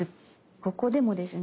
ここでもですね